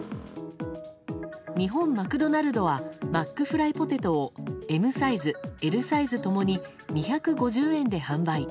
日本マクドナルドはマックフライポテトをＭサイズ、Ｌサイズ共に２５０円で販売。